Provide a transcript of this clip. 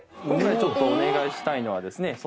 今回ちょっとお願いしたいのはですね